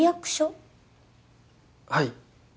はい。